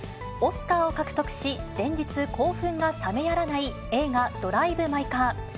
オスカーを獲得し、連日、興奮が冷めやらない映画、ドライブ・マイ・カー。